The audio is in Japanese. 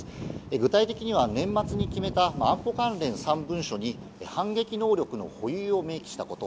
具体的には年末に決めた安保関連３文書に反撃能力の保有を明記したこと。